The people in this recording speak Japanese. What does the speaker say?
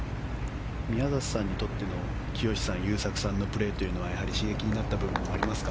宮里さんにとっての聖志さん、優作さんのプレーというのは刺激になった部分はりますか？